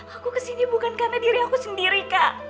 aku kesini bukan karena diri aku sendiri kak